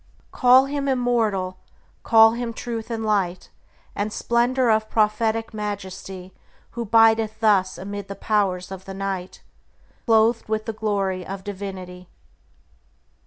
Call him immortal, call him Truth and Light And splendor of prophetic majesty Who bideth thus amid the powers of night, Clothed with the glory of divinity.